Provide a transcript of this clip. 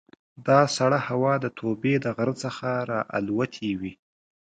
دا سړه هوا د توبې د غره څخه را الوتې وي.